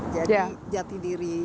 jadi jati diri